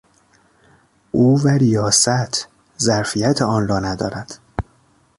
او و ریاست! ظرفیت آن را ندارد.